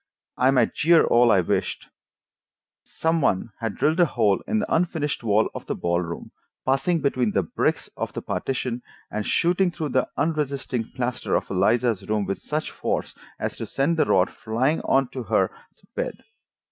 I might jeer all I wished: some one had drilled a hole in the unfinished wall of the ball room, passing between the bricks of the partition, and shooting through the unresisting plaster of Eliza's room with such force as to send the rod flying on to her bed.